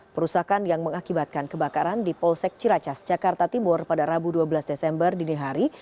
perusakan yang mengakibatkan kebakaran di polsek ciracas jakarta timur pada rabu dua belas desember dini hari